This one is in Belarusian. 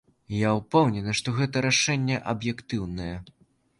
Я ўпэўнены, што гэта рашэнне аб'ектыўнае.